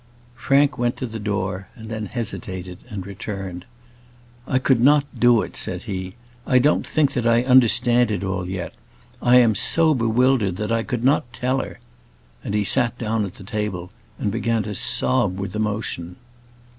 Frank went to the door, and then hesitated, and returned. "I could not do it," said he. "I don't think that I understand it all yet. I am so bewildered that I could not tell her;" and he sat down at the table, and began to sob with emotion.